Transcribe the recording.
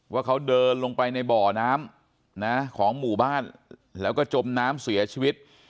ว่าเขาเดินลงไปในบ่อน้ำของหมู่บ้านแล้วก็จมน้ำเสียชีวิต